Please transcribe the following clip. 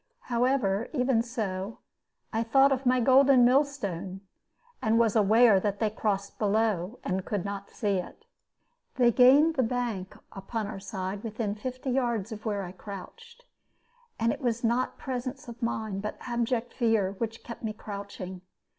However, even so, I thought of my golden millstone, and was aware that they crossed below, and could not see it. They gained the bank upon our side within fifty yards of where I crouched; and it was not presence of mind, but abject fear, which kept me crouching.